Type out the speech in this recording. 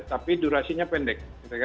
tapi durasinya pendek